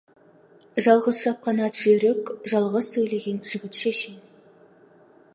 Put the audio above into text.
Жалғыз шапқан ат жүйрік, жалғыз сөйлеген жігіт шешен.